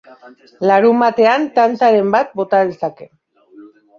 Larunbatean tantaren bat bota lezake.